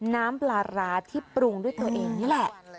น้ำปลาร้าที่ปรุงด้วยตัวเองนี่แหละ